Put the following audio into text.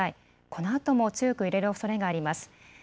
このあとも強く揺れるおそれがあります。